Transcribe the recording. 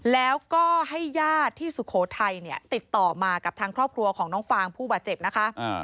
แล้วก็ให้ญาติที่สุโขทัยเนี่ยติดต่อมากับทางครอบครัวของน้องฟางผู้บาดเจ็บนะคะ